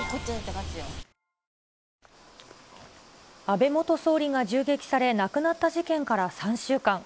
安倍元総理が銃撃され亡くなった事件から３週間。